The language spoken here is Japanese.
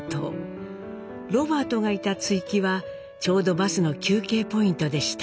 ロバートがいた築城はちょうどバスの休憩ポイントでした。